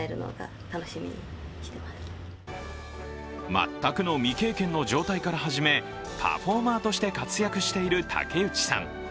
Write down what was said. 全くの未経験の状態から始めパフォーマーとして活躍している竹内さん。